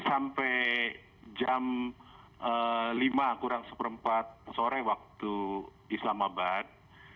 sampai jam lima kurang seperempat sore waktu islamabad